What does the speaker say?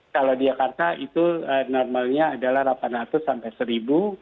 kalau di jakarta itu normalnya adalah delapan ratus sampai seribu